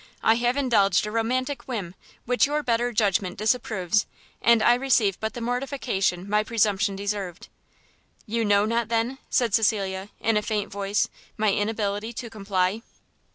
I have indulged a romantic whim, which your better judgment disapproves, and I receive but the mortification my presumption deserved." "You know not then," said Cecilia, in a faint voice, "my inability to comply?"